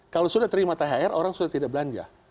kalau sudah terima thr orang sudah tidak belanja